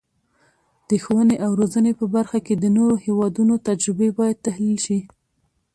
د ښوونې او روزنې په برخه کې د نورو هیوادونو تجربې باید تحلیل شي.